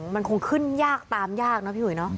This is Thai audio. มันคงขึ้นยากตามยากนะพี่หุยเนาะ